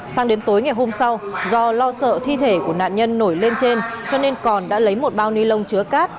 sang đến tối ngày hôm sau do lo sợ thi thể của nạn nhân nổi lên trên cho nên còn đã lấy một bao ni lông chứa cát